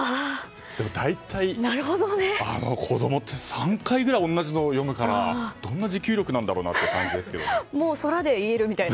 大体、子供って３回ぐらい同じのを読むからどんな持久力なんだろうって感じですが。